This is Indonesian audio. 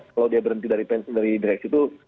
kalau dia berhenti dari direksi itu